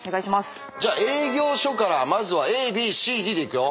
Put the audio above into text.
じゃあ営業所からまずはＡＢＣＤで行くよ。